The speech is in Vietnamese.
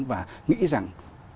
và nghĩ rằng